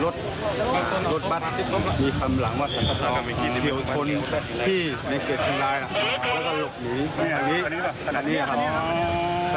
ตรงนี้นะครับ